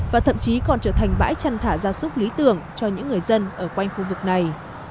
và thậm chí còn trở thành bãi chăn thả ra súc lý tưởng cho những người dân ở quanh khu vực này